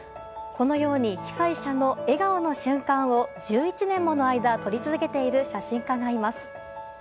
このように被災者の笑顔の瞬間を１１年もの間撮り続けている写真家がいます。